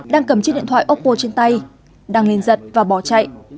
đang cầm chiếc điện thoại oppo trên tay đang lên giật và bỏ chạy